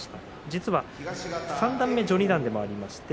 実は三段目、序二段でもありました。